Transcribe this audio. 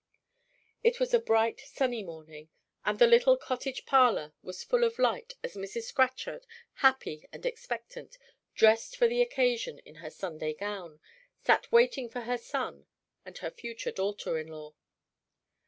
It was a bright sunny morning, and the little cottage parlor was full of light as Mrs. Scatchard, happy and expectant, dressed for the occasion in her Sunday gown, sat waiting for her son and her future daughter in law.